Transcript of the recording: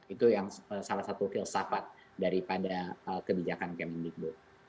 itu yang salah satu filsafat daripada kebijakan kementerian pendidikan